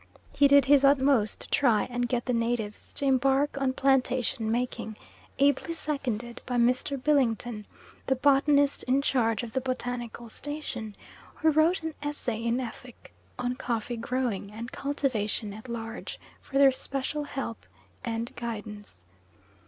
He did his utmost to try and get the natives to embark on plantation making, ably seconded by Mr. Billington, the botanist in charge of the botanical station, who wrote an essay in Effik on coffee growing and cultivation at large for their special help and guidance.